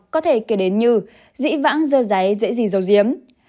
có thể kể đến như dĩ vãng dơ giấy dễ gì dầu diếm